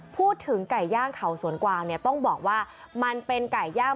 พูดถึงไก่ย่างเขาสวนกวางเนี่ยต้องบอกว่ามันเป็นไก่ย่าง